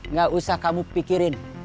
gak usah kamu pikirin